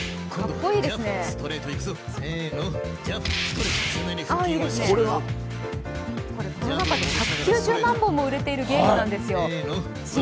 コロナ禍で１９０万本も売れているゲームなんですよ。